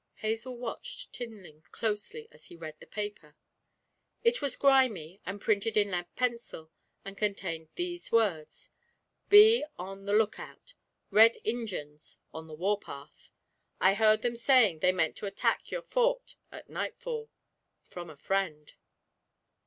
Hazel watched Tinling closely as he read the paper. It was grimy, and printed in lead pencil, and contained these words: 'BE ON THE LUKOUT. RED INGIANS ON THE WORPATH. I HERD THEM SAYING THEY MENT TO ATACK YURE FORT AT NITEFAL. FROM A FREND.'